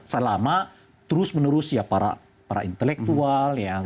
selama terus menerus ya para intelektual